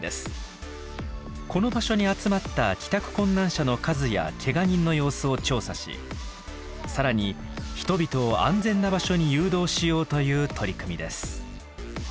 この場所に集まった帰宅困難者の数やけが人の様子を調査し更に人々を安全な場所に誘導しようという取り組みです。